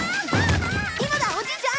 今だおじいちゃん！